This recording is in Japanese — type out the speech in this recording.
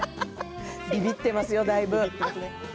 びびってますよ、だいぶ。